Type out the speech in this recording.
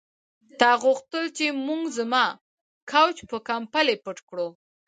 تا غوښتل چې موږ زما کوچ په کمپلې پټ کړو